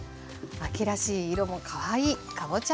秋らしい色もかわいいかぼちゃプリン。